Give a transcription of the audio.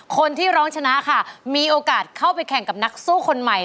คนที่ร้องชนะค่ะมีโอกาสเข้าไปแข่งกับนักสู้คนใหม่